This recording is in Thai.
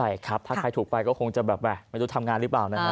ใช่ครับถ้าใครถูกไปก็คงจะแบบไม่รู้ทำงานหรือเปล่านะครับ